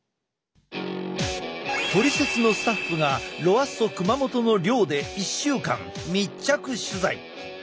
「トリセツ」のスタッフがロアッソ熊本の寮で１週間密着取材！